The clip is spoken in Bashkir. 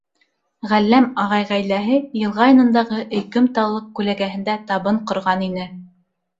Ғәлләм ағай ғаиләһе йылға янындағы өйкөм таллыҡ күләгәһендә табын ҡорған ине.